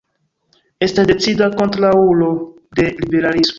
Estas decida kontraŭulo de liberalismo.